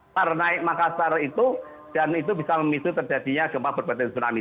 karena makasar itu bisa memisu terjadinya gempa berpotensi tsunami